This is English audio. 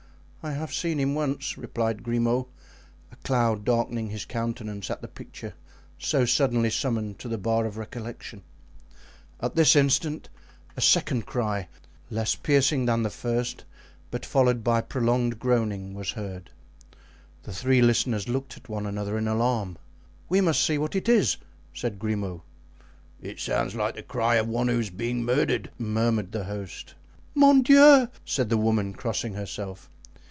"I have seen him once," replied Grimaud, a cloud darkening his countenance at the picture so suddenly summoned to the bar of recollection. At this instant a second cry, less piercing than the first, but followed by prolonged groaning, was heard. The three listeners looked at one another in alarm. "We must see what it is," said Grimaud. "It sounds like the cry of one who is being murdered," murmured the host. "Mon Dieu!" said the woman, crossing herself.